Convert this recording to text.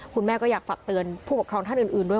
คุณแม่ก็อยากฝากเตือนผู้ปกครองท่านอื่นด้วย